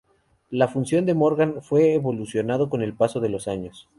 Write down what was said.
La función de Morgan fue evolucionado con el paso de los años.